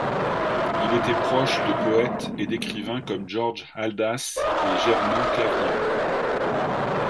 Il était proche de poètes et d'écrivains comme Georges Haldas et Germain Clavien.